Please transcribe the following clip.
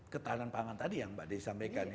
ketahanan pangan tadi yang mbak desy sampaikan